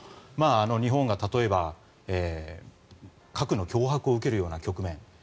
日本が例えば核の脅迫を受けるような局面。